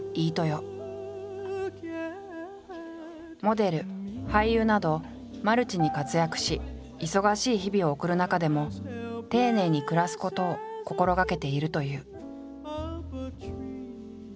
モデル俳優などマルチに活躍し忙しい日々を送る中でも丁寧に暮らすことを心がけているという。